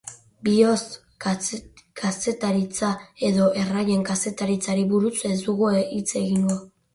Bihotz-kazetaritza edo erraien kazetaritzari buruz ez dugu hitz egingo.